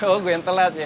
oh gua yang telat ya